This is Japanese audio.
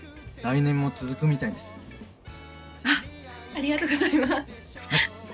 ありがとうございます。